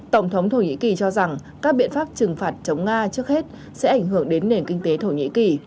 tổng thống thổ nhĩ kỳ cho rằng các biện pháp trừng phạt chống nga trước hết sẽ ảnh hưởng đến nền kinh tế thổ nhĩ kỳ